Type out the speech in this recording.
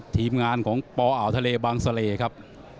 ทีมงานของปอ่าวทะเลบางเสล่ครับ